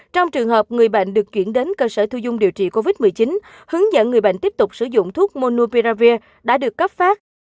trong trường hợp người bệnh được chuyển đến cơ sở thu dung điều trị covid một mươi chín hướng dẫn người bệnh tiếp tục sử dụng thuốc monupiravir đã được cấp phát